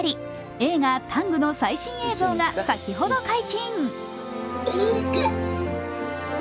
映画「ＴＡＮＧタング」の最新映像が先ほど解禁。